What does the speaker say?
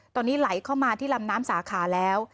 ตอนนี้ไหลเข้ามาที่ลำน้ำสาขาแล้ว